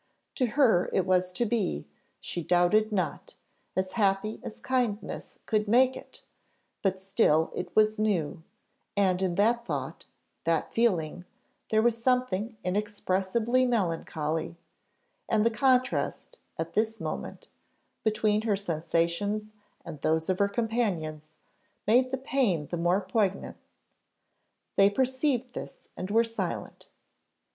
To her it was to be, she doubted not, as happy as kindness could make it, but still it was new; and in that thought, that feeling, there was something inexpressibly melancholy; and the contrast, at this moment, between her sensations and those of her companions, made the pain the more poignant; they perceived this, and were silent.